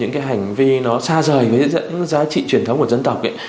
hành vi xa rời với giá trị truyền thống của dân tộc